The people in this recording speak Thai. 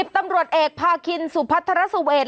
ตำรวจเอกพาคินสุพัทรสุเวท